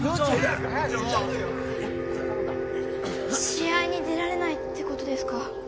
試合に出られないってことですか？